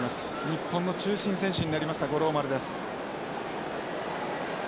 日本の中心選手になりました五郎丸です。